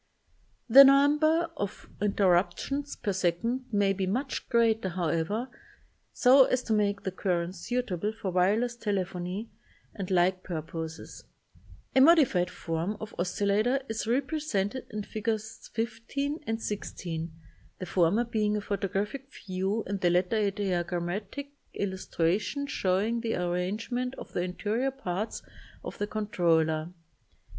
The number of interruptions per second may be much greater, however, so as to make the currents suitable for wire less telephony and like purposes. A modified form of oscillator is repre sented in Figs. 15 and 16, the former being a photographic view and the latter a diagrammatic illustration showing the ar rangement of the interior parts of the controller.